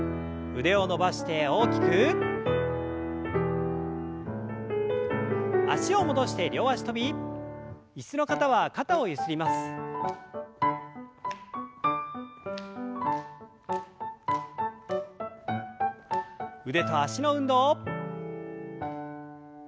腕と脚の運動。